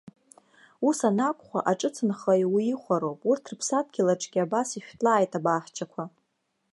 Ус анакәха, аҿыцынхаҩы уихәароуп, урҭ рыԥсадгьыл аҿгьы абас ишәҭлааит абаҳчақәа.